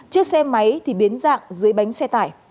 chiếc xe máy thì biến dạng dưới bánh xe tải